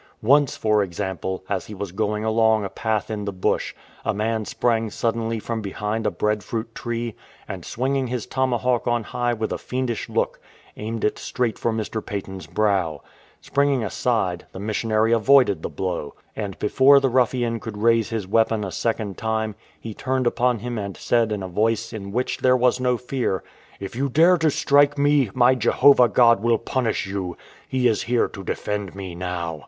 Once, for example, as he was going along a path in the bush, a man sprang suddenly from behind a bread fruit tree, and swinging his tomahawk on high with a fiendish look, aimed it straight for Mr. Paton's brow. Springing aside, the missionary avoided the blow. And before the rufTian could raise his weapon a second time, he turned upon him and said in a voice in which there was no fear, " If you dare to strike me, my Jehovah God will punish you. He is here to defend me now."